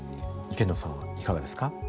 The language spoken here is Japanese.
池野さんはいかがですか。